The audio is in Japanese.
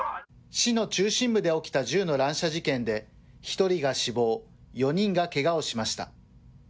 市の中心部で起きた銃の乱射事件で、１人が死亡、４人がけがをしました。